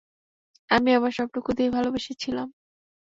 আমি আমার সবটুকু দিয়ে ভালোবেসেছিলাম!